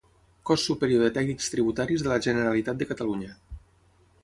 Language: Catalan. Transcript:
Cos superior de tècnics tributaris de la Generalitat de Catalunya.